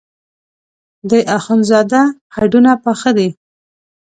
د اخوندزاده هډونه پاخه دي.